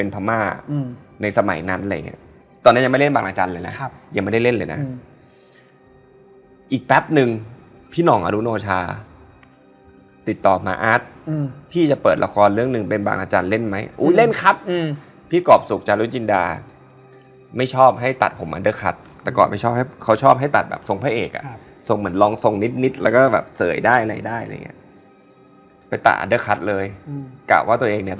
ไปงานขับรถสักอย่างแล้วเอาผู้จัดการไปด้วย